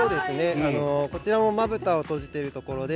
こちらも、まぶたを閉じているところです。